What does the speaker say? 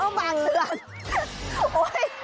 เอ้าบางเรื่อง